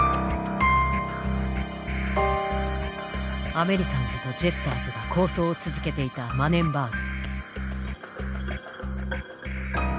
アメリカンズとジェスターズが抗争を続けていたマネンバーグ。